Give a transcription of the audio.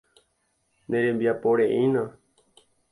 Nerembiaporeína.